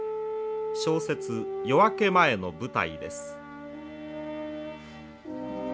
小説「夜明け前」の舞台です。